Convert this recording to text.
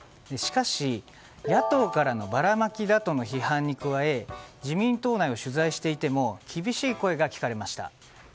しかし、野党からのばらまきだとの批判に加え自民党内を取材していても厳しい声が聞かれました。